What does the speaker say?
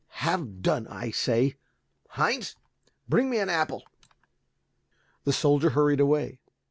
Have done, I say. Heinz, bring me an apple." The soldier hurried away.